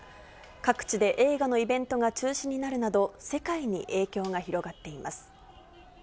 各地で映画のイベントが中止になるなど、世界に影響が広がっています。